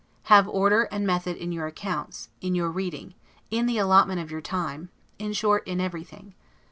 Have order and method in your accounts, in your reading, in the allotment of your time; in short, in everything.